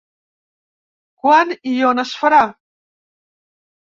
Quan i on es farà?